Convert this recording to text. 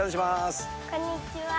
こんにちは。